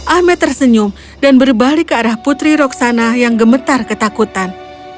ahmed tersenyum dan berbalik ke arah putri roksana yang gemetar ketakutan